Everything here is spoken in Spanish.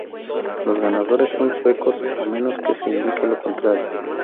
Los ganadores son suecos, a menos que se indique lo contrario.